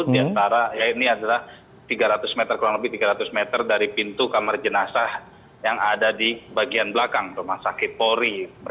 ini adalah tiga ratus meter kurang lebih dari pintu kamar jenazah yang ada di bagian belakang rumah sakit polri